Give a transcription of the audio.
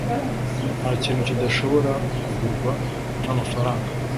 ntakintu kidashobora kugurwa namafaranga